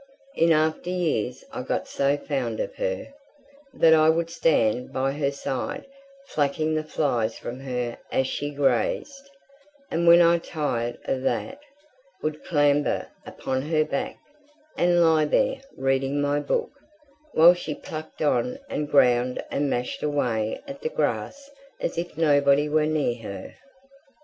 In after years I got so found of her, that I would stand by her side flacking the flies from her as she grazed; and when I tired of that, would clamber upon her back, and lie there reading my book, while she plucked on and ground and mashed away at the grass as if nobody were near her.